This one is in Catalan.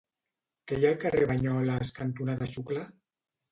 Què hi ha al carrer Banyoles cantonada Xuclà?